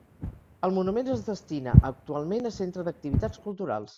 El monument es destina actualment a centre d'activitats culturals.